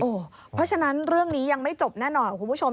เพราะฉะนั้นเรื่องนี้ยังไม่จบแน่นอนคุณผู้ชม